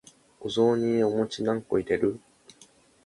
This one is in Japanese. お雑煮にお餅何個入れる？